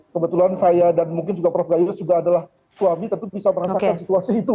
kebetulan saya dan mungkin juga prof gayus juga adalah suami tentu bisa merasakan situasi itu